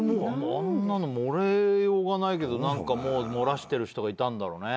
あんなの漏れようがないけど漏らしてる人がいたんだろうね。